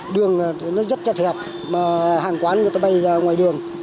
đường nó rất chắc chặt mà hàng quán người ta bay ra ngoài đường